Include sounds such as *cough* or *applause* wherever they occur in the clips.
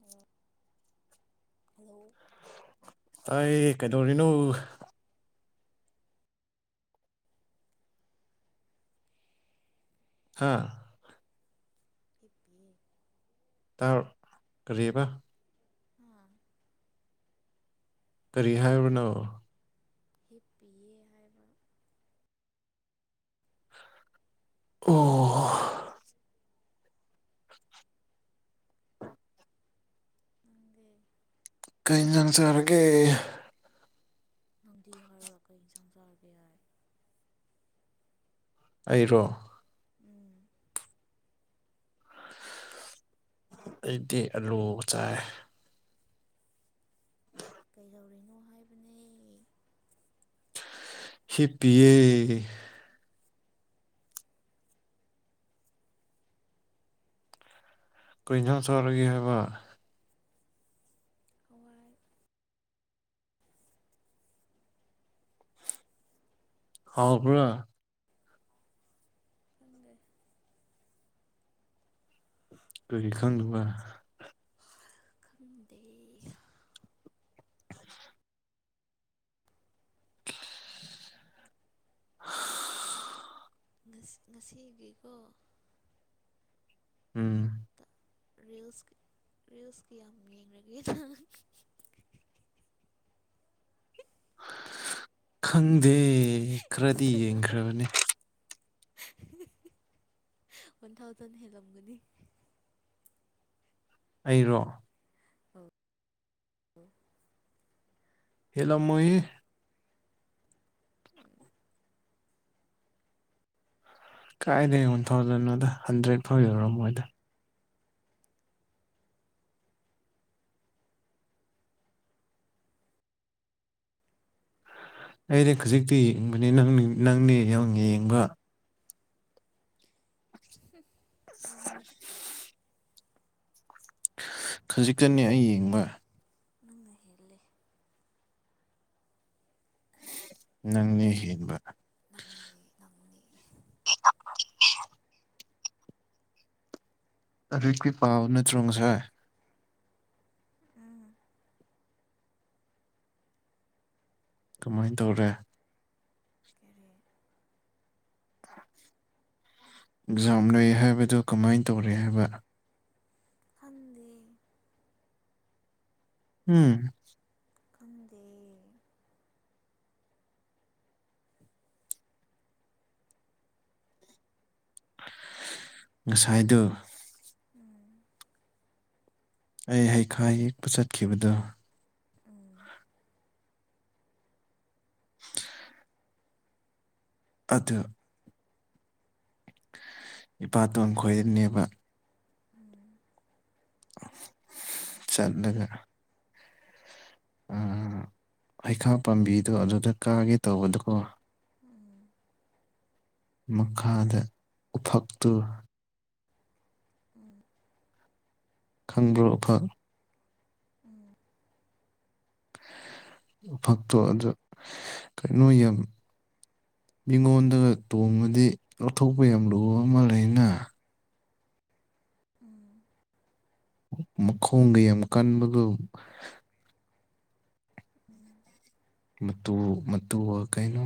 Hello hello ꯇꯥꯏꯌꯦ ꯀꯩꯗꯧꯔꯤꯅꫭ ꯍꯥꯥ ꯍꯤꯞꯄꯤꯌ‌ꯦ *unintelligible* ꯀꯔꯤ ꯍꯥꯏꯕ ꯍꯥꯥ ꯀꯔꯤ ꯍꯥꯏꯕꯅꯣ ꯍꯤꯞꯄꯤꯌꯦ ꯍꯥꯏꯕ ꯑꯣ ꯅꯪꯗꯤ ꯀꯩ ꯏꯟꯖꯥꯡ ꯆꯥꯔꯒꯦ ꯅꯪꯗꯤ ꯍꯥꯏꯔꯒ ꯀꯩ ꯌꯦꯟꯁꯥꯡ ꯆꯥꯔꯒꯦ ꯍꯥꯏ ꯑꯩꯔꯣ ꯎꯝ ꯑꯩꯗꯤ ꯑꯂꯨꯒ ꯆꯥꯏ *inaudible* ꯀꯩꯗꯧꯔꯤꯅꯣ ꯍꯥꯏꯕꯅꯦ ꯍꯤꯞꯄꯤꯌꯦ ꯀꯔꯤ ꯑꯦꯟꯖꯥꯡ ꯆꯥꯔꯒꯦ ꯍꯥꯏꯕ ꯍꯋꯥꯏ ꯍꯥꯎꯕ꯭ꯔꯥ ꯈꯪꯗꯦ *inaudible* ꯀꯔꯤꯈꯪꯗꯕ ꯈꯪꯗꯦ *unintelligible* *unintelligible* ꯉꯁꯤ ꯉꯁꯤꯒꯤꯀꯣ ꯎꯝ *inaudible* ꯔꯤꯜꯁ ꯔꯤꯜꯁ ꯀꯌꯥꯝ ꯌꯦꯡꯒ꯭ꯔꯒꯦ ꯅꯪ ꯈꯪꯗꯦ ꯈꯔꯗꯤ ꯏꯟꯁꯇꯥꯒ꯭ꯔꯥꯝ ꯌꯦꯡꯈ꯭ꯔꯕꯅꯦ ꯋꯥꯟ ꯊꯥꯎꯖꯟ ꯍꯦꯜꯂꯝꯒꯅꯤ ꯑꯩꯔꯣ *unintelligible* ꯍꯦꯜꯂꯝꯃꯣꯏꯍꯦ ꯀꯥꯏꯗꯩꯩ ꯋꯥꯟ ꯊꯥꯎꯖꯟꯅꯣꯗ ꯍꯟꯗ꯭ꯔꯦꯗ ꯐꯥꯎꯌꯧꯔꯃ‌ꫭꯏꯗ ꯑꯩꯅꯦ ꯈꯖꯤꯛꯇꯤ ꯌ‌ꯦꯡꯕꯅ‌ꯦ ꯅꯪꯅꯦ ꯅꯪꯅꯦ ꯌꯥꯝ ꯌꯦꯡꯕ ꯅꯪꯅꯤ ꯈꯖꯤꯛꯇꯅꯦ ꯑꯩ ꯌꯦꯡꯕ ꯅꯪꯅ ꯍ‌ꯦꯜꯂꯤ ꯅꯪꯅꯦ ꯍꯦꯟꯕ ꯅꯪꯅꯤ ꯅꯪꯅꯤ *unintelligible* ꯂꯥꯏꯔꯤꯛꯇꯤ ꯄꯥꯕꯅꯠꯇꯔ‌ꫭ ꯉꯁꯥꯏ ꯎꯝ ꯀꯃꯥꯏ ꯇꯧꯔꯦ ꯀꯔꯤ ꯑꯦꯛꯖꯥꯝ ꯂꯩ ꯍꯥꯏꯕꯗꯨ ꯀꯃꯥꯏꯅ ꯇꯧꯔꯦ ꯍꯥꯏꯕ ꯈꯪꯗꯦ ꯎꯝ ꯈꯪꯗꯦ ꯉꯁꯥꯏꯗꯨ ꯑꯩ ꯍꯩꯈꯥ ꯍꯦꯛꯄ ꯆꯠꯈꯤꯕꯗꯨ *inaudible* ꯑꯗꯨ ꯏꯄꯥꯇꯣꯟ ꯈꯣꯏꯔꯤꯅꯦꯕ ꯆꯠꯂꯒ ꯎꯝ ꯍꯩꯈꯥ ꯄꯥꯝꯕꯤꯗꯣ ꯑꯗꯨꯗ ꯀꯥꯒꯦ ꯇꯧꯕꯗꯀꯣ ꯎꯝ ꯃꯈꯥꯗ ꯎꯐꯛꯇꯨ ꯎꯝ ꯈꯪꯕꯔꯣ ꯎꯐꯛ ꯎꯐꯛꯇꯣ ꯑꯗꯨ ꯀꯩꯅꯣ ꯌꯥꯝ ꯃꯤꯉꯣꯟꯗꯒ ꯇꯣꯡꯉꯗꯤ ꯂꯧꯊꯣꯛꯄ ꯌꯥꯝ ꯂꯨꯕ ꯑꯃ ꯂꯩꯅ ꯎꯝ ꯃꯈꯣꯡꯒ ꯌꯥꯝ ꯀꯟꯕꯗꯣ ꯎꯝ ꯃꯇꯨ ꯃꯇꯨꯒ ꯀꯩꯅꯣ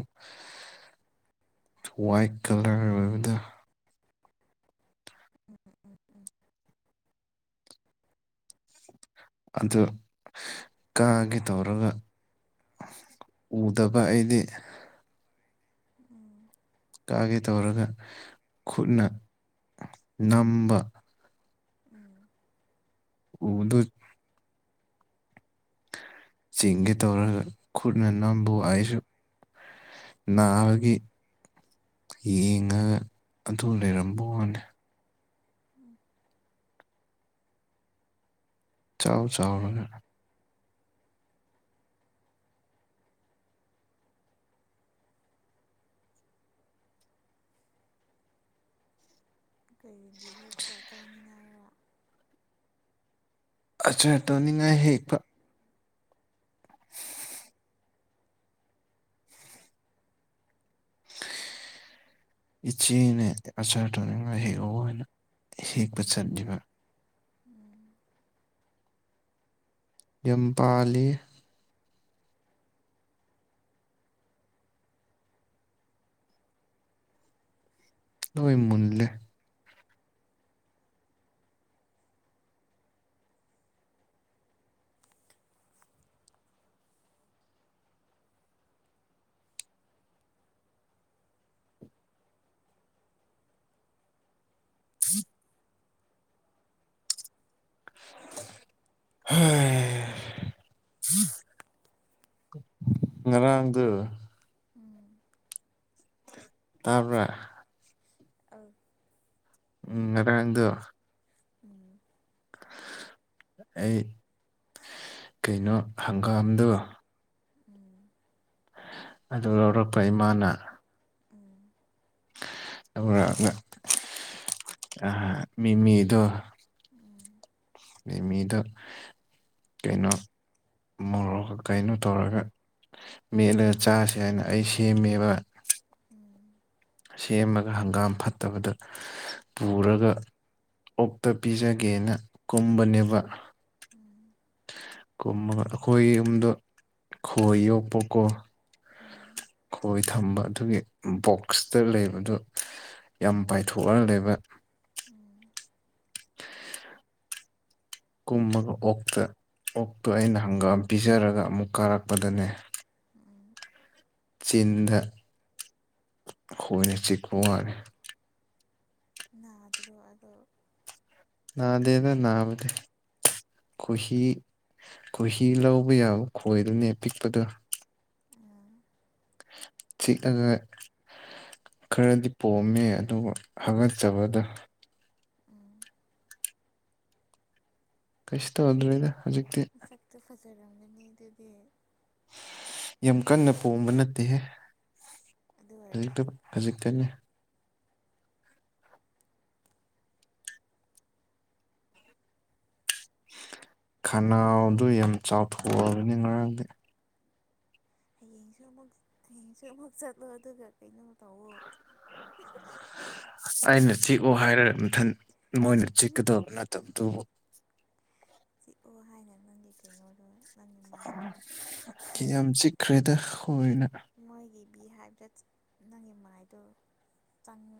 ꯋꯥꯏꯠ ꯀꯂꯔ ꯑꯣꯏꯕꯗ ꯑꯗꯨ ꯀꯥꯒꯦ ꯇꯧꯔꯒ ꯎꯗꯕ ꯑꯩꯗꯤ ꯎꯝ ꯀꯥꯒꯦ ꯇꯧꯔꯒ ꯈꯨꯠꯅ ꯅꯝꯕ ꯎꯝ ꯎꯗꯨꯠ ꯆꯤꯡꯒꯦ ꯇꯧꯔꯒ ꯈꯨꯠꯅ ꯅꯝꯕꯨ ꯑꯩꯁꯨ ꯅꯥꯕꯒꯤ ꯌꯦꯡꯉ ꯑꯗꯨ ꯂꯩꯔꯝꯕꯋꯥꯅꯦ ꯎꯝ ꯆꯥꯎ ꯆꯥꯎ ꯔꯒꯥ ꯀꯩꯒꯤ ꯍꯦꯛꯄꯥ ꯆꯥꯅꯤꯡꯉꯥꯏꯔ ꯑꯆꯔ ꯇꯧꯅꯤꯡꯉꯥꯏ ꯍꯦꯛꯄ *unintelligible* *unintelligible* ꯏꯆꯦꯅ ꯑꯆꯥꯥꯔ ꯇꯧꯅꯤꯡꯉꯥꯏ ꯍꯦꯛꯑꯣ ꯍꯥꯏꯅ ꯍꯦꯛꯄ ꯆꯠꯂꯤꯕ ꯎꯝ ꯌꯨꯝꯄꯥꯂꯤ ꯂꯣꯏ ꯃꯨꯜꯂꯦ *unintelligible* ꯍꯩ ꯉꯔꯥꯡꯗꯨ ꯎꯝ ꯇꯥꯕꯔ ꯑꯥ ꯎꯝ ꯉꯥꯔꯥꯡꯗꯨ ꯎꯝ ꯑꯩ ꯀꯩꯅꯣ ꯍꯪꯒꯥꯝꯗꯣ ꯎꯝ ꯑꯗꯨ ꯂꯧꯔꯛꯄ ꯏꯃꯥꯅ ꯎꯝ ꯂꯧꯔꯛꯑꯒ ꯑ ꯃꯤꯃꯤꯗꯣ ꯎꯝ ꯃꯤꯃꯤꯗꯣ ꯀꯩꯅꯣ ꯃꯣꯔꯣꯛ ꯀꯩꯅꯣ ꯇꯧꯔꯒ ꯃꯦꯠꯂꯒ ꯆꯥꯁꯦ ꯍꯥꯏꯅ ꯑꯩ ꯁꯦꯝꯃꯦꯕ ꯎꯝ ꯁꯦꯝꯃꯥꯒ ꯍꯪꯒꯥꯝ ꯐꯠꯇꯕꯗꯨ ꯄꯨꯔꯒ ꯑꯣꯛꯇ ꯄꯤꯖꯒꯦꯅ ꯀꯨꯝꯕꯅꯦꯕ ꯎꯝ ꯀꯨꯝꯃꯒ ꯑꯩꯈꯣꯏ ꯌꯨꯝꯗꯣ ꯈꯣꯏ ꯌꯣꯛꯄꯀꯣ ꯎꯝ ꯈꯣꯏ ꯊꯝꯕ ꯑꯗꯨꯒꯤ ꯕꯣꯛꯁꯇ ꯂꯩꯕꯗꯨ ꯌꯥꯝ ꯄꯥꯏꯊꯣꯛꯑꯥ ꯂꯩꯕ ꯎꯝ ꯀꯨꯝꯃꯒ ꯑꯣꯛꯇ ꯑꯣꯛꯇꯣ ꯑꯩꯅ ꯍꯪꯒꯥꯝ ꯄꯤꯖꯔꯒ ꯑꯃꯨꯛ ꯀꯥꯔꯛꯄꯗꯅꯦ ꯎꯝ ꯆꯤꯟꯗ ꯈꯣꯏꯅ ꯆꯤꯛꯄ ꯋꯥꯅꯦ ꯅꯥꯗꯔꯣ ꯑꯗꯣ ꯅꯥꯗꯦꯗ ꯅꯥꯕꯗꯤ ꯈꯣꯍꯤ ꯈꯣꯏꯍꯤ ꯂꯧꯕ ꯌꯥꯕ ꯈꯣꯏꯗꯨꯅꯦ ꯄꯤꯛꯄꯗꯨ ꯎꯝ ꯆꯤꯛꯑꯒ ꯈꯔꯗꯤ ꯄꯣꯝꯃꯦ ꯑꯗꯨꯕꯨ ꯍꯥꯒꯠꯆꯕꯗꯣ ꯎꯝ ꯀꯩꯁ ꯇꯧꯗ꯭ꯔꯦꯗ ꯍꯧꯖꯤꯛꯇꯤ ꯁꯛꯇꯨ ꯐꯖꯔꯝꯒꯅꯤ ꯑꯗꯨꯗꯤ ꯌꯥꯝ ꯀꯟꯅ ꯄꯣꯝꯕ ꯅꯠꯇꯦꯍꯦ ꯑꯗꯨ ꯑꯣꯏꯔꯁꯨ ꯈꯖꯤꯛꯇꯪ ꯈꯖꯤꯛꯇꯅꯦ ꯈꯅꯥꯎꯗꯨ ꯌꯥꯝ ꯆꯥꯎꯊꯣꯛꯑꯕꯅꯤ ꯉꯔꯥꯡꯗꯤ ꯍꯌꯦꯡꯁꯨ ꯑꯃꯨꯛ ꯍꯌꯦꯡꯁꯨ ꯑꯃꯨꯛ ꯆꯠꯂꯣ ꯑꯗꯨꯒ ꯀꯩꯅꯣ ꯇꯧꯋꯣ ꯑꯩꯅ ꯆꯤꯛꯎ ꯍꯥꯏꯔ ꯃꯊꯟ ꯃꯣꯏꯅ ꯆꯤꯛꯀꯗꯧ ꯅꯠꯇꯕꯗꯨꯕꯨ ꯑꯣ ꯍꯥꯏꯅ ꯅꯪꯒꯤ ꯀꯩꯅꯣꯗꯣ ꯅꯪꯒꯤ ꯃꯥꯏꯗꯣ ꯃꯣꯏꯒꯤ ꯈ꯭ꯔꯦꯗ ꯈꯣꯏꯅ ꯃꯣꯏꯒꯤ ꯕꯤꯍꯥꯏꯗ꯭ꯔꯦꯠꯁ ꯅꯪꯒꯤ ꯃꯥꯏꯗꯣ ꯆꯪꯉꯦ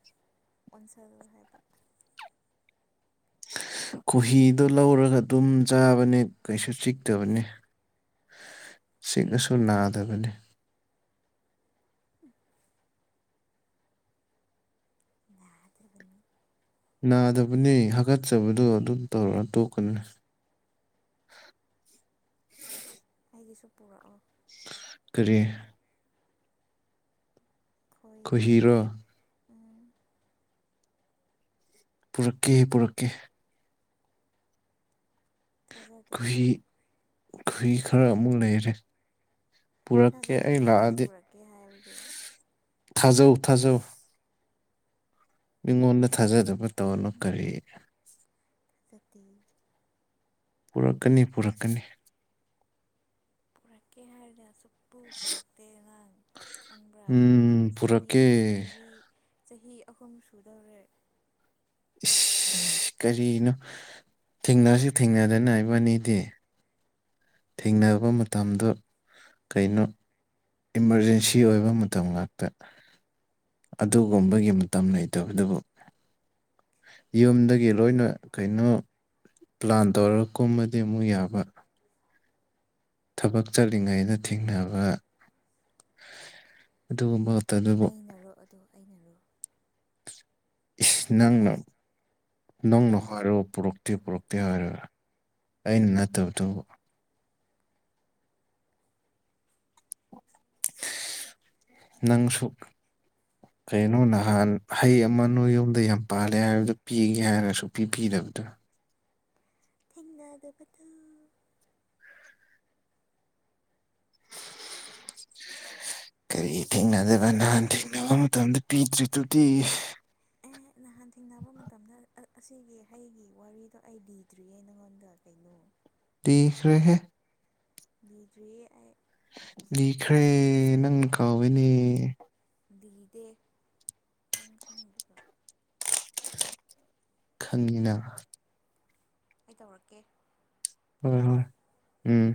ꯑꯣꯟꯁꯜꯂꯣ ꯍꯥꯏꯕ ꯈꯣꯍꯤꯗꯣ ꯂꯧꯔꯒ ꯑꯗꯨꯝ ꯆꯥꯕꯅꯦ ꯀꯩꯁꯨ ꯆꯤꯛꯇꯕꯅꯦ ꯆꯤꯛꯑꯁꯨ ꯅꯥꯗꯕꯅꯦ ꯅꯥꯗꯕꯅꯤ ꯅꯥꯗꯕꯅꯦ ꯍꯥꯒꯠꯆꯕꯗꯣ ꯑꯗꯨꯝ ꯇꯧꯔ ꯇꯣꯛꯀꯅꯤ ꯑꯩꯒꯤꯁꯨ ꯄꯨꯔꯛꯑꯣ ꯀꯔꯤ ꯈꯣꯏꯍꯤ ꯈꯣꯍꯤꯔꯣ ꯎꯝ ꯄꯨꯔꯛꯀꯦ ꯄꯨꯔꯛꯀꯦ ꯊꯥꯖꯗꯦ ꯈꯨꯨꯍꯤ ꯑꯩ ꯈꯨꯨꯍꯤ ꯈꯔꯥ ꯑꯃꯨꯛ ꯂꯩꯔꯦ ꯄꯨꯔꯛꯀꯦ ꯑꯩ ꯂꯥꯛꯑꯗꯤ ꯀꯩ ꯍꯥꯏꯕꯅꯣ ꯊꯥꯖꯧ ꯊꯥꯖꯧ ꯃꯤꯉꯣꯟꯗ ꯊꯥꯖꯗꯕ ꯇꯧꯅꯨ ꯀꯔꯤꯅꯣ ꯅꯠꯇꯦ ꯄꯨꯔꯛꯀꯅꯤ ꯄꯨꯔꯛꯀꯅꯤ ꯄꯨꯔꯛꯀꯦ ꯍꯥꯏꯔꯒ ꯁꯨꯛ ꯄꯨ ꯄꯨꯔꯛꯇꯦ ꯅꯪ ꯈꯪꯕ꯭ꯔꯥ ꯎꯝ ꯆꯍꯤ ꯄꯨꯔꯛꯀꯦ ꯆꯍꯤ ꯆꯍꯤ ꯑꯍꯨꯝ ꯁꯨꯗꯧꯔꯦ ꯏꯁ ꯀꯔꯤꯅꯣ ꯊꯦꯡꯅꯁꯨ ꯊꯦꯡꯅꯗꯅ ꯏꯕꯅꯤꯗꯤ ꯊꯦꯡꯅꯕ ꯃꯇꯝꯗꯨ ꯀꯩꯅꯣ ꯏꯃꯥꯔꯖꯦꯟꯁꯤ ꯑꯣꯏꯕ ꯃꯇꯝ ꯉꯥꯛꯇ꯫ ꯑꯗꯨꯒꯨꯝꯕꯒꯤ ꯃꯇꯝ ꯂꯩꯇꯕꯗꯨꯕꯨ꯫ ꯌꯨꯝꯗꯒꯤ ꯂꯣꯏꯅ ꯀꯩꯅꯣ ꯄ꯭ꯂꯥꯟ ꯇꯧꯔꯒ ꯀꯨꯝꯃꯗꯤ ꯑꯃꯨꯛ ꯌꯥꯕ꯫ ꯊꯕꯛ ꯆꯠꯂꯤꯉꯩꯗ ꯊꯦꯡꯅꯕ꯫ ꯑꯗꯨꯨꯝꯕꯒ ꯉꯇꯅ‌ꯦ ꯑꯩꯅꯔꯣ ꯑꯗꯣ ꯑꯩꯅꯔꯣ ꯏꯁ ꯅꯪꯅ ꯅꯪꯅ ꯍꯥꯏꯔꯑꯣ ꯄꯨꯔꯛꯇꯦ ꯄꯨꯔꯛꯇꯦ ꯍꯥꯏꯔ ꯑꯩꯅ ꯅꯠꯇꯕꯗꯨꯕꯨ *unintelligible* ꯅꯪꯁꯨꯛ ꯀꯩꯅꯣ ꯅꯍꯥꯟ ꯍꯩ ꯑꯃ ꯅꯣꯏ ꯌꯨꯝꯗ ꯌꯥꯝ ꯄꯥꯜꯂꯦ ꯍꯥꯏꯕꯗꯣ ꯄꯤꯒꯦ ꯍꯥꯏꯔ ꯁꯨꯛꯄꯤ ꯄꯤꯕꯤꯗꯕꯗꯨ ꯊ‌ꯦꯡꯅꯗꯕꯗꯣ ꯀꯔꯤ ꯊꯦꯡꯅꯗꯕ ꯅꯍꯥꯟ ꯊꯦꯡꯅꯕ ꯃꯇꯝꯗ ꯄꯤꯗ꯭ꯔꯤꯗꯨꯗꯤ ꯑꯦ ꯅꯍꯥꯟ ꯊꯦꯡꯅꯕ ꯃꯇꯝꯗ ꯑꯁꯤꯒꯤ ꯍꯩꯒꯤ ꯋꯥꯔꯤꯗꯣ ꯑꯩ ꯂꯤꯗ꯭ꯔꯤꯌꯦ ꯅꯪꯉꯣꯟꯗ ꯀꯩꯅꯣ ꯂꯤꯈꯔꯦꯍ‌ꯦ ꯂꯤꯗ꯭ꯔꯤꯌꯦ ꯑꯩ ꯂꯤꯈ꯭ꯔꯦ ꯅꯪ ꯀꯥꯎꯏꯅꯦ ꯂꯤꯗꯦ ꯅꯪ ꯈꯪꯗꯕꯔ‌ꯣ ꯈꯪꯉꯤꯅ ꯑꯩ ꯇꯧꯔꯛꯀꯦ ꯀꯣ ꯍꯣꯏ ꯍꯣꯏ ꯎꯝ